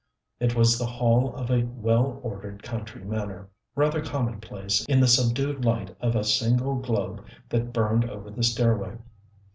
It was the hall of a well ordered country manor, rather commonplace in the subdued light of a single globe that burned over the stairway.